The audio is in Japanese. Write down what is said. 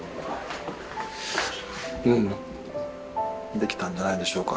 できたんじゃないんでしょうか。